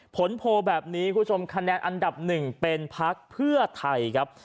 โพลแบบนี้คุณผู้ชมคะแนนอันดับหนึ่งเป็นพักเพื่อไทยครับ